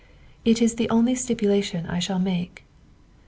It is the only stipulation I shall make."